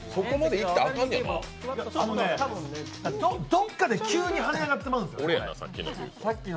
どっかで急に跳ね上がってまうんですよね。